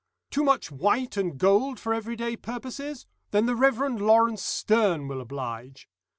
Too much white and gold for every day purposes then the Reverend Laurence Sterne will oblige.